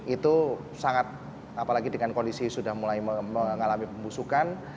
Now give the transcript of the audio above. itu sangat apalagi dengan kondisi sudah mulai mengalami pembusukan